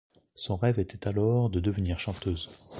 Son rêve était alors de devenir chanteuse.